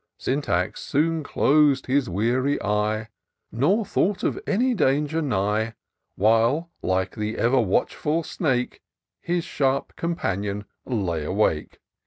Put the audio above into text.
. Sjmtax soon clos'd his weary eye,^ Nor thought of any danger nigh ; While, like the ever watchful snake. His sharp companion lay awake.